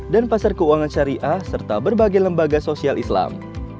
dan pasar keuangan syariah serta berbagai lembaga sosial islam